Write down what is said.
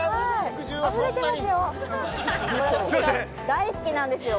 大好きなんですよ。